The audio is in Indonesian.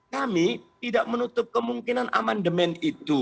kami tidak menutup kemungkinan amandemen itu